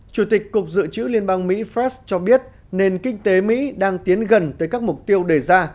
chủ tịch cục dự trữ liên bang mỹ fress cho biết nền kinh tế mỹ đang tiến gần tới các mục tiêu đề ra